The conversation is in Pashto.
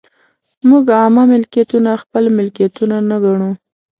موږ عامه ملکیتونه خپل ملکیتونه نه ګڼو.